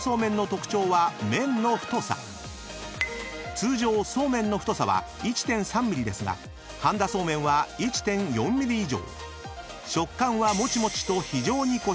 ［通常そうめんの太さは１．３ｍｍですが半田そうめんは１．４ｍｍ以上］